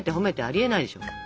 ありえないでしょ。